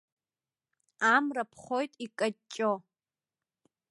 Амра ԥхоит икаҷҷо.